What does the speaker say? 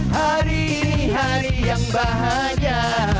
hari ini hari yang bahagia